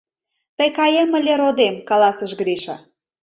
— Тый каем ыле, родем, — каласыш Гриша.